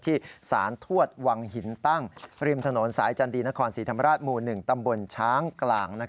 ที่สารทวดวังหินตั้งริมถนนสายจันดีนครศรีธรรมราชหมู่๑ตำบลช้างกลาง